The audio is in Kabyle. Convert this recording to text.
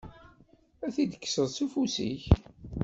Ad t-id-kkseḍ s ufus-ik.